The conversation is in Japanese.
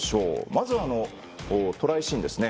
まず、トライシーンですね。